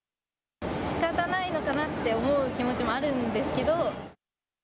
しかたないのかなって思う気持ちもあるんですけど。